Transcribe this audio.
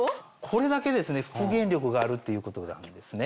これだけですね復元力があるっていうことなんですね。